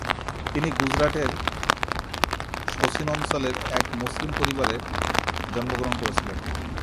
তিনি গুজরাতের শচীন অঞ্চলের এক মুসলিম পরিবারে জন্মগ্রহণ করেছিলেন।